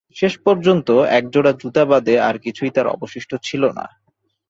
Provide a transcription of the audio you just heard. শেষ পর্যন্ত এক জোড়া জুতা বাদে আর কিছুই তার অবশিষ্ট ছিল না।